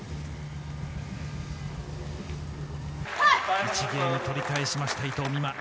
１ゲーム取り返しました伊藤美誠。